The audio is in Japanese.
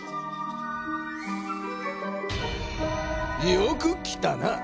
よく来たな！